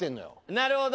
なるほど！